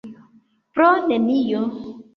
Pro nenio.